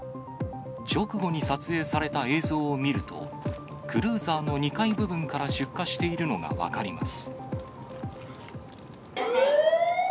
直後に撮影された映像を見ると、クルーザーの２階部分から出火しているのが分かります。